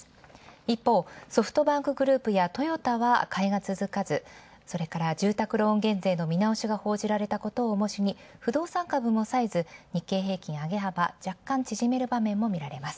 一方、ソフトバンクグループやトヨタは買いが続かず、それから住宅ローン減税の見直しが報じられたことを重しに不動産株も日経平均、上げ幅若干縮める場面も見られます。